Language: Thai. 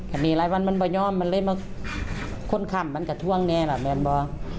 อันนี้หลายวันมันไม่ยอมมันเลยมาคนขับมันก็ท่วงแน่ล่ะแมนบอก